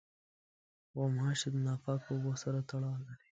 غوماشې د ناپاکو اوبو سره تړاو لري.